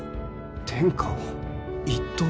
天下を一統？